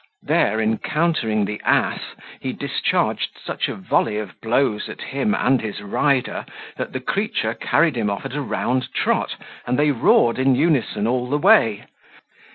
There encountering the ass he discharged such a volley of blows at him and his rider, that the creature carried him off at a round trot, and they roared in unison all the way.